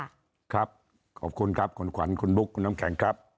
ขอบคุณครับคุณขวัญคุณบุ๊คคุณน้ำแข็งครับ